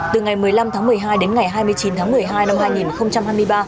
từ ngày một mươi năm tháng một mươi hai đến ngày hai mươi chín tháng một mươi hai năm hai nghìn hai mươi ba